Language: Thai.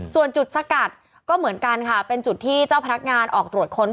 ส่วนจุดสกัดก็เหมือนกันค่ะเป็นจุดที่เจ้าพนักงานออกตรวจค้น